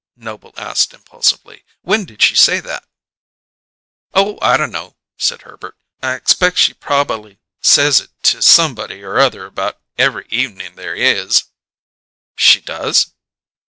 Noble asked impulsively. "When did she say that?" "Oh, I d' know," said Herbert. "I expect she proba'ly says it to somebody or other about every evening there is." "She does?"